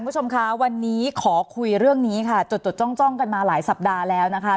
สนับสนุนโดยพี่โพเพี่ยวสะอาดใสไร้คราบ